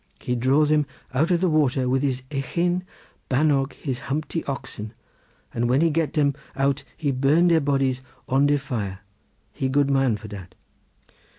He draw them out of the water with his ychain banog his humpty oxen, and when he get dem out he burn deir bodies on de fire, he good man for dat."